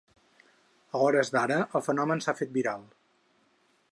A hores d’ara, el fenomen s’ha fet viral.